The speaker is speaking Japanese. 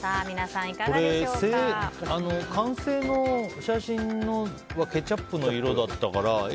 これ、完成の写真のはケチャップの色だったから。